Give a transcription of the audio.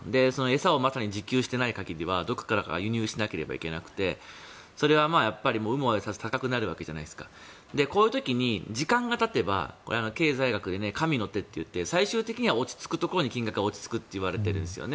餌をまさに自給してない限りはどこからか輸入しなくちゃいけなくてそれは有無を言わさず高くなるわけじゃないですかこういう時に時間がたてば神の手といって最終的に落ち着くといわれているんですよね。